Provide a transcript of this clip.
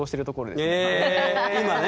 今ね？